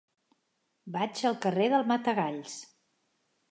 Vaig al carrer del Matagalls.